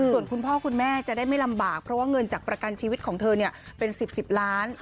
ส่วนคุณพ่อคุณแม่จะได้ไม่ลำบากเพราะว่าเงินจากประกันชีวิตของเธอเป็น๑๐๑๐ล้าน